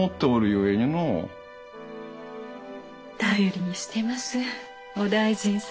頼りにしてますお大尽様。